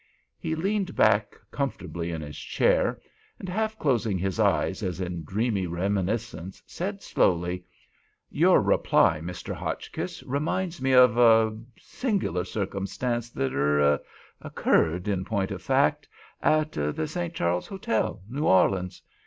He leaned back comfortably in his chair, and half closing his eyes as in dreamy reminiscence, said, slowly: "Your reply, Mr. Hotchkiss, reminds me of—er—sing'lar circumstances that —er—occurred, in point of fact—at the St. Charles Hotel, New Orleans.